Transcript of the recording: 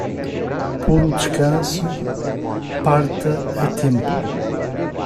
Puro descanso, parta a tempo!